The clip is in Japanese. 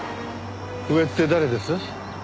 上って誰です？